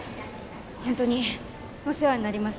ホントにお世話になりました